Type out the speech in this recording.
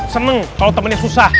seneng kalau temennya susah